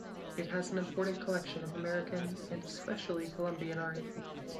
It has an important collection of American and especially Colombian art.